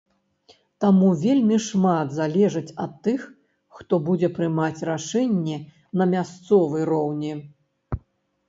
Таму вельмі шмат залежыць ад тых, хто будзе прымаць рашэнні на мясцовы роўні.